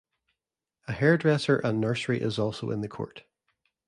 A hairdresser and nursery is also in the court.